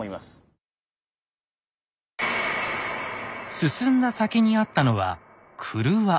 進んだ先にあったのは郭。